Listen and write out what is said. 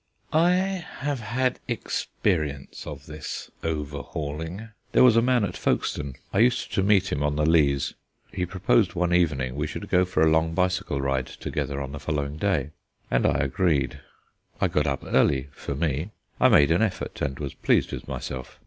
I have had experience of this "overhauling." There was a man at Folkestone; I used to meet him on the Lees. He proposed one evening we should go for a long bicycle ride together on the following day, and I agreed. I got up early, for me; I made an effort, and was pleased with myself.